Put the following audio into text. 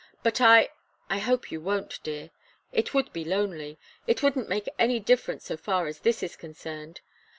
But I I hope you won't, dear. It would be lonely. It wouldn't make any difference so far as this is concerned.